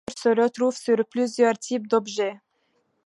La dentelure se retrouve sur plusieurs types d'objets.